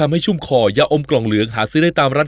ไม่ใส่กันเหมือนกันเนี่ย